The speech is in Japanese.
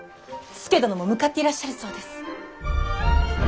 佐殿も向かっていらっしゃるそうです。